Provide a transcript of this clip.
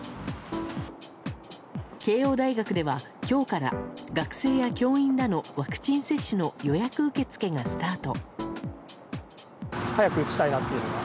慶應大学では今日から学生や教員らのワクチン接種の予約受け付けがスタート。